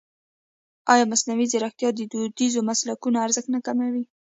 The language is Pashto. ایا مصنوعي ځیرکتیا د دودیزو مسلکونو ارزښت نه کموي؟